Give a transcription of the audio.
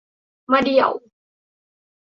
มะเดี่ยว